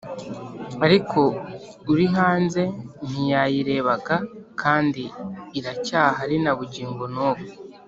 ariko uri hanze ntiyayirebaga kandi iracyahari na bugingo n’ubu